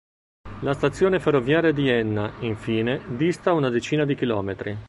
La Stazione ferroviaria di Enna, infine, dista una decina di chilometri.